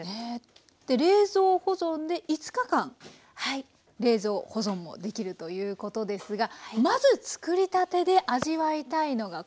冷蔵保存で５日間冷蔵保存もできるということですがまず作りたてで味わいたいのがこちらのお料理ですね。